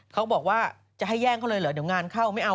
เขาบอกว่าจะให้แย่งเขาเลยเหรอเดี๋ยวงานเข้าไม่เอา